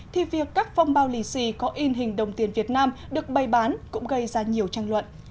thì việc các phong bao lì xì có in hình đồng tiền việt nam được bày bán cũng gây ra nhiều tranh luận